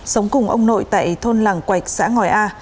sống cùng ông nội tại thôn làng quạch xã ngòi a